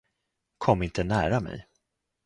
Kom inte nära mig!